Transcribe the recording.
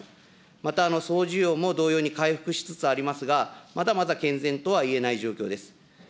また、総需要も同様に回復しつつありますが、まだまだ健全とはいえない状況です。